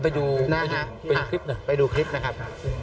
ถ้าที่จะบอกว่าเซ็กซ์โครโมโซมนะครับ